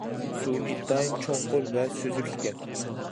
سۇ ئىنتايىن چوڭقۇر ۋە سۈزۈك ئىكەن.